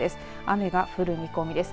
雨が降る見込みです。